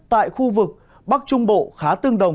tại khu vực bắc trung bộ khá tương đồng